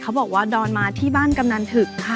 บอกว่าดอนมาที่บ้านกำนันถึกค่ะ